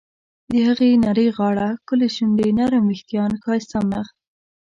د هغې نرۍ غاړه، ښکلې شونډې ، نرم ویښتان، ښایسته مخ..